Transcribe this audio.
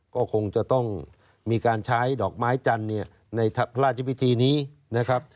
ก็คงจะต้องมีการใช้ดอกไม้จันทร์เนี่ยในพระราชพิธีนี้นะครับ